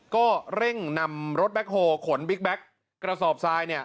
ก็เร่งนำรถแบ็คโหลขนบิ๊กแบ็คกระสอบซ้ายเนี่ย